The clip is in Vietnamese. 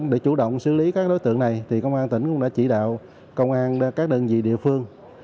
để chủ động xử lý các đối tượng này công an tỉnh cũng đã chỉ đạo công an các đơn vị địa phương